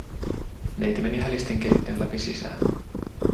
Neiti meni hälisten keittiön läpi sisään.